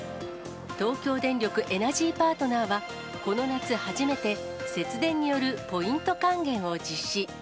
東京電力エナジーパートナーはこの夏初めて、節電によるポイント還元を実施。